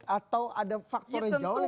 atau ada faktor yang jauh lebih besar